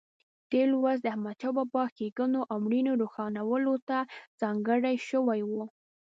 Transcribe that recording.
تېر لوست د احمدشاه بابا ښېګڼو او مړینې روښانولو ته ځانګړی شوی و.